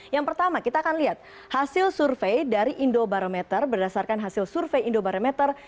yang pertama kita akan lihat hasil survei dari indobarometer berdasarkan hasil survei indobarometer